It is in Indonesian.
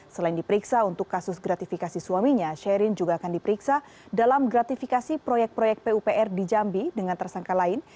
selain diperiksa untuk kasus gratifikasi suaminya sherin juga akan diperiksa dalam gratifikasi proyek proyek pupr di jambi dengan tersangka lain